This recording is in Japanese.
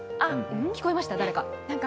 聞こえました、誰か？